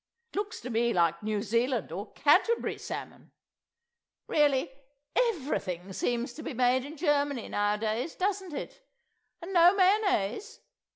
It looks to me like New Zealand or Canterbury salmon! Really, everything seems to be made in Germany nowadays, doesn't it? And no mayonnaise.